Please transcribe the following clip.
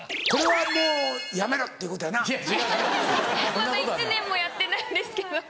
まだ１年もやってないんですけど。